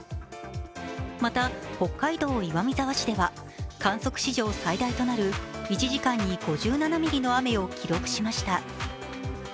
また、北海道岩見沢市では観測史上最大となる１時間に５７ミリの雨を記録しました。